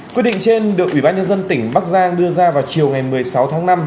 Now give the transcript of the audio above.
quyết định trên được ủy ban nhân dân tỉnh bắc giang đưa ra vào chiều ngày một mươi sáu tháng năm